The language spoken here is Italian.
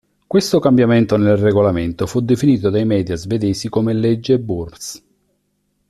Questo cambiamento nel regolamento fu definito dai media svedesi come "legge Burns".